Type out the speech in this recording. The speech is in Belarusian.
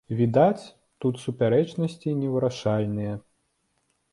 Відаць, тут супярэчнасці невырашальныя.